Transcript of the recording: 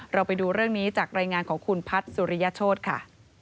ไปดูเรื่องนี้จากรายงานของคุณพัฒน์สุริยโชธค่ะ